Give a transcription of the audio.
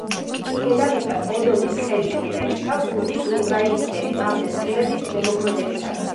დედამიწას ოზონის თხელი ფენა იცავს მზის ულტრაიისფერი მავნე სხივების ზემოქმედებისაგან.